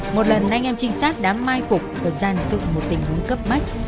một lần anh em trinh sát đã mai phục và gian dựng một tình huống cấp bách